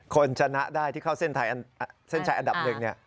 คนชนะได้ที่เข้าเส้นถ่ายอันดับหนึ่งเนี่ย